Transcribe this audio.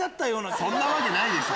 そんなわけないでしょ！